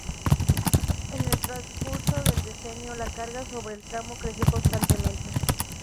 En el transcurso del decenio, la carga sobre el tramo creció constantemente.